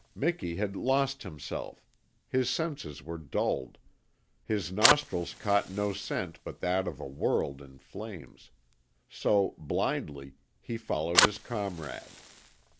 Miki had "lost" himself; his senses were dulled; his nostrils caught no scent but that of a world in flames so, blindly, he followed his comrade.